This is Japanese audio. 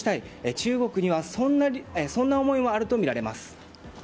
中国にはそんな思いもあるとみられます。